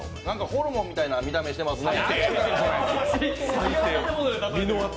ホルモンみたいな見た目してますね。